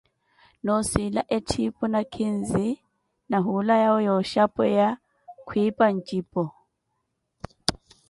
Noosila etthipo nakhinzi, na hula yawe yooxhapeya, khwipa ncipu.